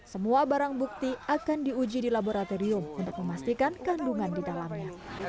semua barang bukti akan diuji di laboratorium untuk memastikan kandungan di dalamnya